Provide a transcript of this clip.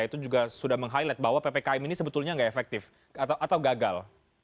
itu juga sudah meng highlight bahwa ppkm ini sebetulnya nggak efektif atau gagal